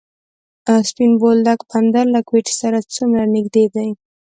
سپین بولدک بندر له کویټې سره څومره نږدې دی؟